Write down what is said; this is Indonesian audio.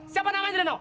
siapa namanya denau